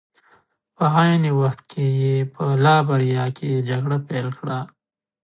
په عین وخت کې یې په لایبیریا کې جګړه پیل کړه.